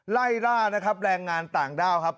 ไล่ล่านะครับแรงงานต่างด้าวครับ